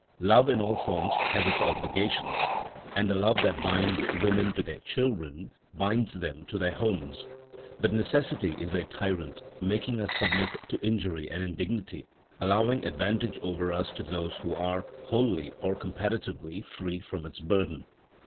Love in all forms has its obligations, and the love that binds women to their children binds them to their homes. But necessity is a tyrant, making us submit to injury and indignity, allowing advantage over us to those who are wholly or comparatively free from its burden.